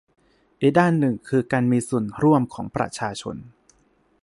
อีกด้านหนึ่งคือการมีส่วนร่วมของประชาชน